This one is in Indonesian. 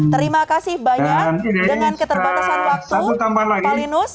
terima kasih banyak dengan keterbatasan waktu pak linus